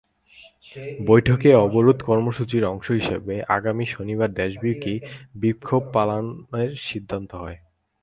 বৈঠকে অবরোধ কর্মসূচির অংশ হিসেবে আগামী শনিবার দেশব্যাপী বিক্ষোভ পালনের সিদ্ধান্ত হয়।